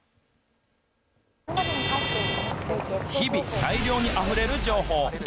日々、大量にあふれる情報。